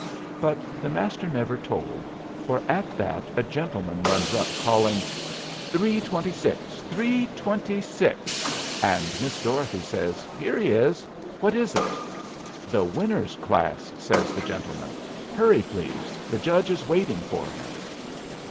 But the Master never told, for at that a gentleman runs up, calling, "Three twenty six, three twenty six!" And Miss Dorothy says, "Here he is; what is it?" "The Winners' class," says the gentleman. "Hurry, please; the judge is waiting for him."